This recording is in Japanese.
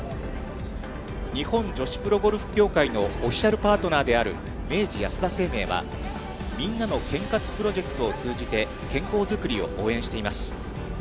日本女子プロゴルフ協会のオフィシャルパートナーである明治安田生命は、みんなの健活プロジェクトを通じて、健康づくりを応援しています。